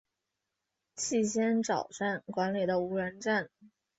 气仙沼站管理的无人站。